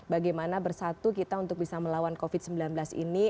bagaimana bersatu kita untuk bisa melawan covid sembilan belas ini